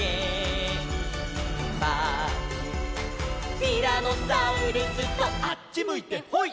「ティラノサウルスとあっちむいてホイ！？」